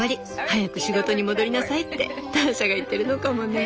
早く仕事に戻りなさい」ってターシャが言ってるのかもね。